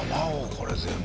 これ全部。